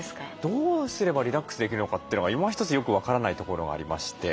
どうすればリラックスできるのかってのがいまひとつよく分からないところがありまして。